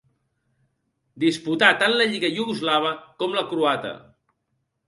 Disputà tant la lliga iugoslava com la croata.